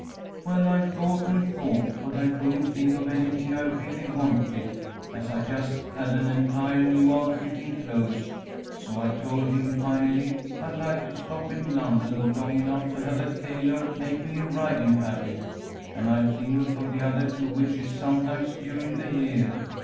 "'Well, I thought and thought, but I couldn't think of anything I really wanted, as I just had an entire new outfit in clothes, so I told him finally I'd like to stop in London long enough to have a tailor make me a riding habit, and I'd think of the other two wishes sometime during the year.